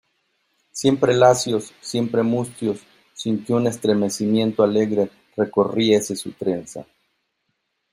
siempre lacios, siempre mustios , sin que un estremecimiento alegre recorriese su trenza.